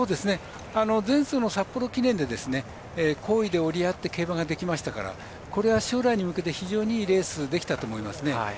前走の札幌記念で好位に折り合って競馬ができましたからこれは将来に向けて非常にいいレースができたと思いますね。